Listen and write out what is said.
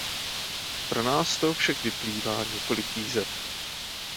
Pro nás z toho však vyplývá několik výzev.